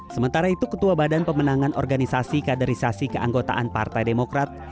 sementara itu ketua badan pemenangan organisasi kaderisasi keanggotaan partai demokrat